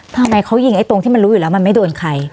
ทำไมเขายิงไอ้ตรงที่มันรู้อยู่แล้วมันไม่โดนใคร